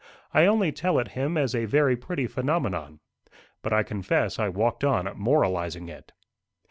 I only tell it him as a very pretty phenomenon. But I confess I walked on moralising it.